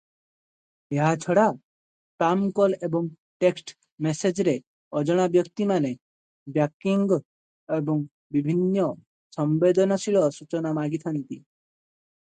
ଏହା ଛଡ଼ା ସ୍ପାମ କଲ ଏବଂ ଟେକ୍ସଟ ମେସେଜରେ ଅଜଣା ବ୍ୟକ୍ତିମାନେ ବ୍ୟାଙ୍କିଙ୍ଗ ଏବଂ ବିଭିନ୍ନ ସମ୍ବେଦନଶୀଳ ସୂଚନା ମାଗିଥାନ୍ତି ।